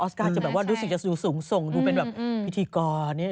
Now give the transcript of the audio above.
ออสการ์จะแบบว่าดูสิ่งจะดูสูงส่งดูเป็นแบบพิธีกรเนี่ย